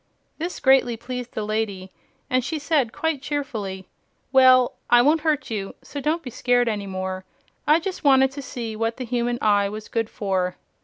This greatly pleased the lady, and she said quite cheerfully: "Well, I won't hurt you, so don't be scared any more. I just wanted to see what the human eye was good for."